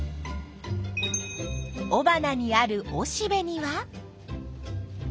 おばなにあるおしべには。